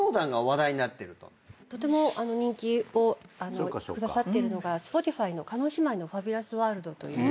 とても人気をくださっているのがＳｐｏｔｉｆｙの『叶姉妹のファビュラスワールド』という。